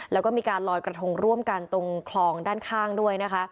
แล้วก็มีการลอยกระทงร่วมกันตรงคลองด้านข้างด้วยนะคะ